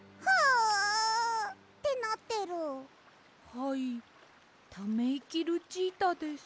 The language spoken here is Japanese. はいためいきルチータです。